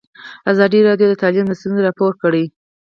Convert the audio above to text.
ازادي راډیو د تعلیم ستونزې راپور کړي.